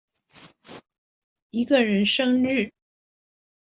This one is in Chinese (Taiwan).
一個人生日